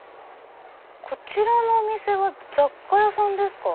こちらのお店は雑貨屋さんですか？